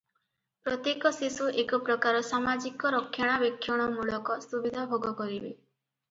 ପ୍ରତ୍ୟେକ ଶିଶୁ ଏକ ପ୍ରକାର ସାମାଜିକ ରକ୍ଷଣାବେକ୍ଷଣମୂଳକ ସୁବିଧା ଭୋଗ କରିବେ ।